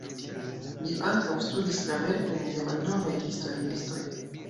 Li ankaŭ studis la verkojn de malnovaj historiistoj.